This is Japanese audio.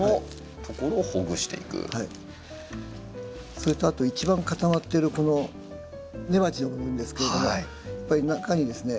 それとあと一番固まっているこの根鉢の部分ですけれどもやっぱり中にですね